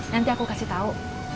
nanti aku kasih tau